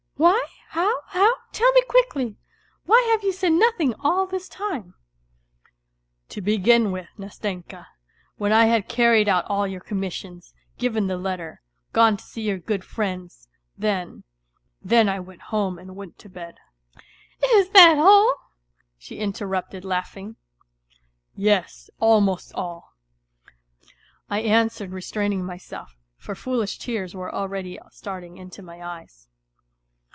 " Why, how, how ? Tell me quickly ! Why have you said nothing all this time ?"" To begin with, Nastenka, when I had carried out all your commissions, given the letter, gone to see your good friends, then ... then I went home and went to bed." " Is that all ?" she interrupted, laughing. " yes, almost all," I answered restraining myself, for foolish tears were already starting into my eyes.